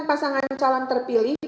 pasangan calon terpilih